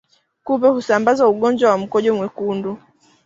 Kupe husambaza ugonjwa wa mkojo mwekundu